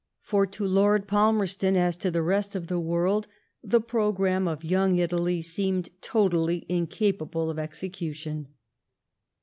For to Lord FalmerstoDy as to tbe rest of the world, the programme of YoQDg Italy seemed totally incapable of execution.